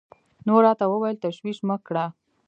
نو راته وويل تشويش مه کړه.